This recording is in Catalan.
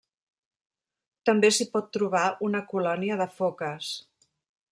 També s'hi pot trobar una colònia de foques.